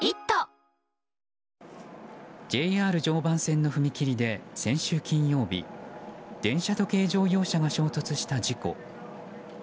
ＪＲ常磐線の踏切で先週金曜日電車と軽乗用車が衝突した事故。